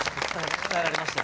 伝えられましたよ